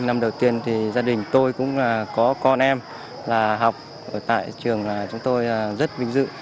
năm đầu tiên thì gia đình tôi cũng có con em là học ở tại trường là chúng tôi rất vinh dự